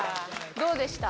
どうでした？